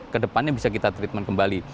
kedepannya bisa kita treatment kembali